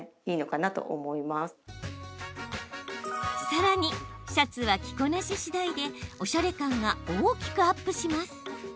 さらにシャツは着こなししだいでおしゃれ感が大きくアップします。